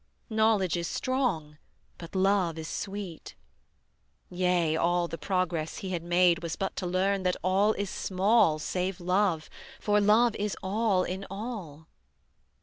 Knowledge is strong, but love is sweet; Yea, all the progress he had made Was but to learn that all is small Save love, for love is all in all.